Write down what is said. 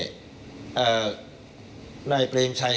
อ่านายเปรมชัย